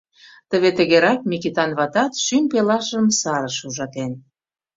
Теве тыгерак Микитан ватат шӱм пелашыжым сарыш ужатен.